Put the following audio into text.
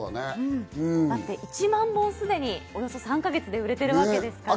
１万本すでに、およそ３か月で売れてるわけですから。